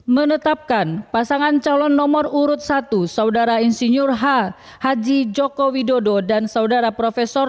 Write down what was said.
menetapkan pasangan calon nomor urut satu saudara insinyur h haji joko widodo dan saudara profesor